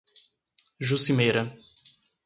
Juscimeira